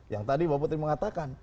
yang tadi bapak putri mengatakan